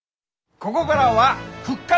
こごがらは復活！